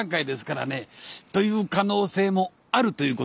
という可能性もあるということです。